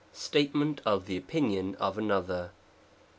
193 Statement of the opinion of (mother.